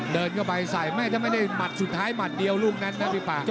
อ๋อเดินเข้าไปส่ายไม่ได้หนัดสุดท้ายหลัดเดียวลูกนั้นน่ะพี่ป่า